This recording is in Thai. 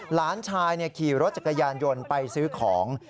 หลานชายขี่รถจักรยานยนต์ไปซื้อของ